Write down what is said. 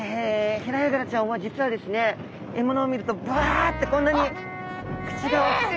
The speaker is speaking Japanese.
ヘラヤガラちゃんは実はですね獲物を見るとバッてこんなに口が大きく開くんですね。